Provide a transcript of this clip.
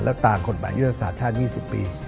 แล้วตามกฎหมายยุทธศาสตร์ชาติ๒๐ปี